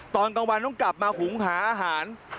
ตอนกลางวันต้องกลับมาหุงหาอาหาร